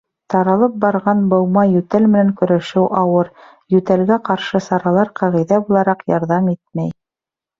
Таралып барған быума йүтәл менән көрәшеү ауыр, йүтәлгә ҡаршы саралар, ҡағиҙә булараҡ, ярҙам итмәй.